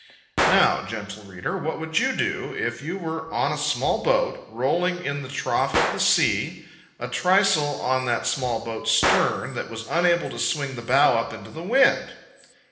Now, gentle reader, what would you do if you were on a small boat, rolling in the trough of the sea, a trysail on that small boat's stern that was unable to swing the bow up into the wind?